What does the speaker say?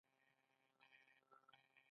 مصنوعي ځیرکتیا د تعلیمي اړتیاوو درک کوي.